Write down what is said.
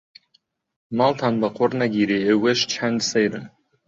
ماڵتان بە قوڕ نەگیرێ ئێوەش چەند سەیرن.